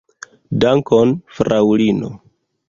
Dankon, fraŭlino.